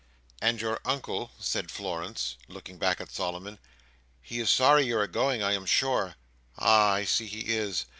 "And your Uncle," said Florence, looking back at Solomon. "He is sorry you are going, I am sure. Ah! I see he is!